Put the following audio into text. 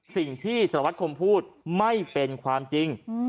สิ่งที่สารวัตรคมพูดไม่เป็นความจริง